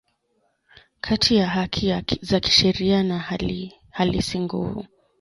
kati ya haki za kisheria na halisi Nguvu